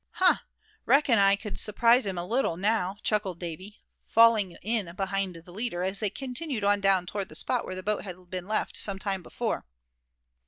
"Huh! reckon I c'd surprise him a little now," chuckled Davy, falling in behind the leader, as they continued on down toward the spot where the boat had been left some time before.